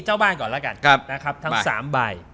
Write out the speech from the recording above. เจ้าบ้านก่อนแล้วกันนะครับทั้ง๓ใบ